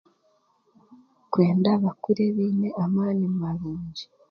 Kwenda bakure baine amaani marungi.